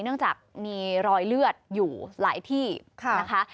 เนื่องจากมีรอยเลือดอยู่หลายที่นะคะ